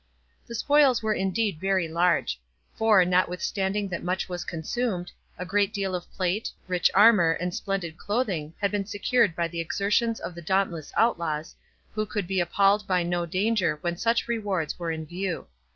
The spoils were indeed very large; for, notwithstanding that much was consumed, a great deal of plate, rich armour, and splendid clothing, had been secured by the exertions of the dauntless outlaws, who could be appalled by no danger when such rewards were in view.